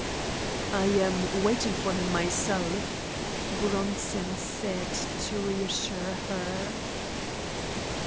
"I am waiting for him myself," Bronson said, to reassure her.